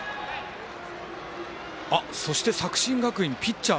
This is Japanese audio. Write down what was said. そして、作新学院ピッチャー、